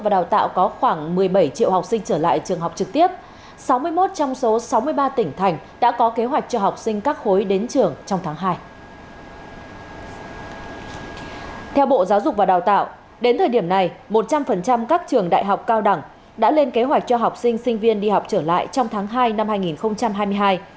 đến thời điểm này một trăm linh các trường đại học cao đẳng đã lên kế hoạch cho học sinh sinh viên đi học trở lại trong tháng hai năm hai nghìn hai mươi hai